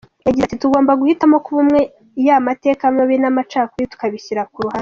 Yagize ati “Tugomba guhitamo kuba umwe, ya mateka mabi n’amacakubiri tukabishyira ku ruhande.